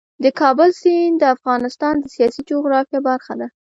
د کابل سیند د افغانستان د سیاسي جغرافیه برخه ده.